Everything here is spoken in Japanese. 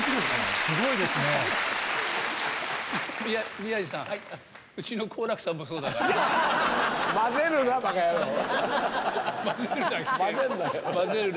宮治さん、うちの好楽さんもそうだから。